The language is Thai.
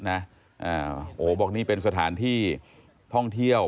โอ้โหบอกนี่เป็นสถานที่ท่องเที่ยว